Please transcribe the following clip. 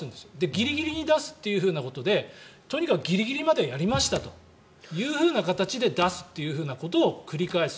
ギリギリに出すっていうことでとにかくギリギリまではやりましたという形で出すというふうなことを繰り返す。